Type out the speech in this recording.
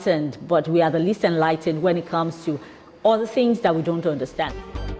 tapi kita tidak terpercaya ketika berkaitan dengan semua hal hal yang tidak kita pahami